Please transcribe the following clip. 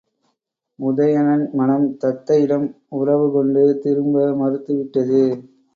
உதயணன் மனம் தத்தையிடம் உறவுகொண்டு திரும்ப மறுத்துவிட்டது.